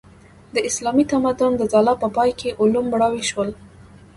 د اسلامي تمدن د ځلا په پای کې علوم مړاوي شول.